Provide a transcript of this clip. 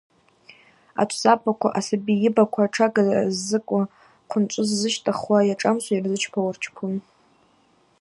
Ачвзабаква, асаби йыбаква – тшага ззыкӏуа, хъвынчӏвы ззыщтӏыхуа – йашӏамсуа йырзычпауа рчпун.